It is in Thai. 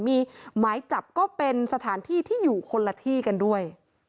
มีหมายจับก็เป็นสถานที่ที่อยู่คนละที่กันด้วย